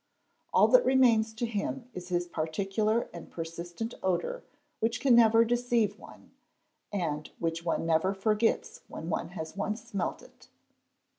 i. All that remains to him is his particular and persistent odour which } Can never deceive one and which one never forgets when one has once s melt it.